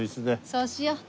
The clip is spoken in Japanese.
そうしよう。